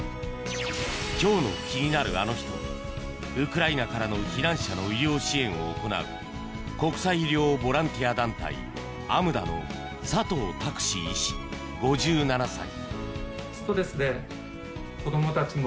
今日の気になるアノ人はウクライナからの避難者の医療支援を行う国際医療ボランティア団体ＡＭＤＡの佐藤拓史医師、５７歳。